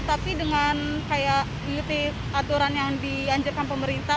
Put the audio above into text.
tapi dengan kayak mengikuti aturan yang dianjurkan pemerintah